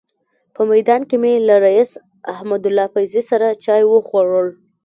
په میدان کې مې له رئیس احمدالله فیضي سره چای وخوړل.